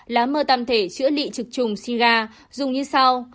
lá mơ tạm thể chữa lị trực trùng si ga dùng như sau